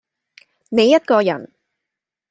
你一個人，